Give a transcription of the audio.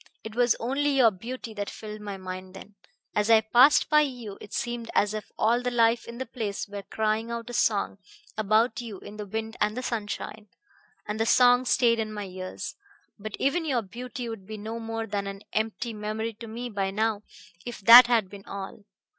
It was only your beauty that filled my mind then. As I passed by you it seemed as if all the life in the place were crying out a song about you in the wind and the sunshine. And the song stayed in my ears; but even your beauty would be no more than an empty memory to me by now if that had been all.